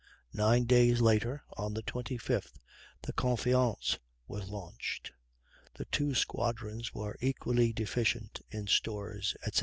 Nine days later, on the 25th, the Confiance was launched. The two squadrons were equally deficient in stores, etc.